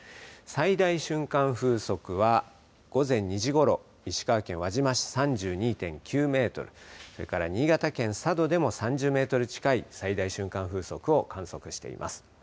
最大瞬間風速は午前２時ごろ石川県輪島市、３２．９メートル新潟県佐渡でも３０メートル近い最大瞬間風速を観測しています。